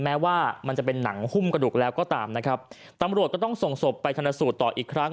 แม้ว่ามันจะเป็นหนังหุ้มกระดูกแล้วก็ตามนะครับตำรวจก็ต้องส่งศพไปธนสูตรต่ออีกครั้ง